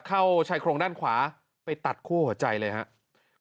เข้าชายโครงด้านขวาไปตัดคู่หัวใจเลยครับ